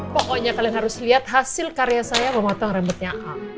pokoknya kalian harus lihat hasil karya saya memotong rambutnya